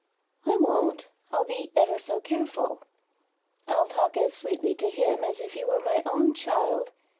"I won't; I'll be ever so careful. I'll talk as sweetly to him as if he were my own child!